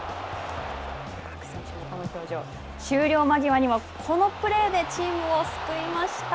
終了間際には、このプレーでチームを救いました。